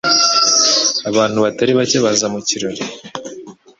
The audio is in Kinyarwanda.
Abantu batari bake baza mu kirori.